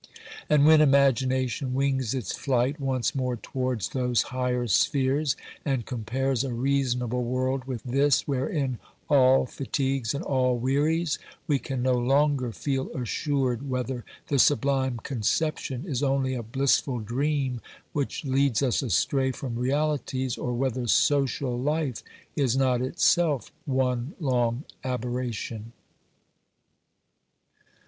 And when imagination wings its flight once more towards those higher spheres, and compares a reasonable world with this wherein all fatigues and all wearies, we can no longer feel assured whether the sublime conception is only a bliss ful dream which leads us astray from realities, or whether social life is not itself one long aberration.